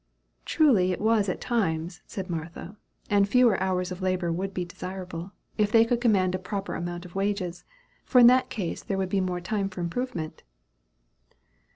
"Truly it was at times," said Martha, "and fewer hours of labor would be desirable, if they could command a proper amount of wages; for in that case there would be more time for improvement."